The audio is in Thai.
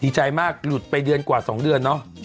ดีใจมากหลุดไปเดือนกว่า๒เดือนเนอะ